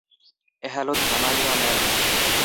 Hello, ধামানিয়া ma'am.